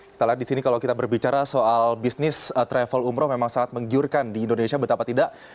kita lihat di sini kalau kita berbicara soal bisnis travel umroh memang sangat menggiurkan di indonesia betapa tidak